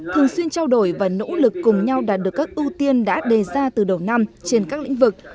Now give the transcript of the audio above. thường xuyên trao đổi và nỗ lực cùng nhau đạt được các ưu tiên đã đề ra từ đầu năm trên các lĩnh vực